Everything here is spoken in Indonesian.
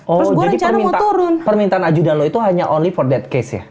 oh jadi permintaan ajudanlo itu hanya only for that case ya